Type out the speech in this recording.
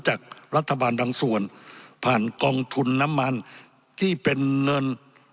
จากรัฐบาลบางส่วนผ่านกองทุนน้ำมันที่เป็นเงิน